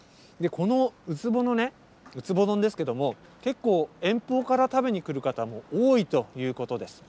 このウツボのウツボ丼ですけど、結構、遠方から食べに来る方も多いということです。